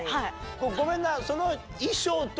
ごめんな。